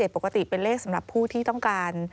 ปกติเป็นเลขสำหรับผู้ที่ต้องการ